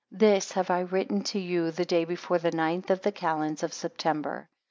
15 This have I written to you, the day before the ninth of the, calends of September.